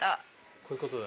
こういうことだ